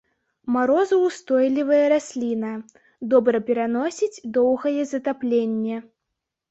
Марозаўстойлівая расліна, добра пераносіць доўгае затапленне.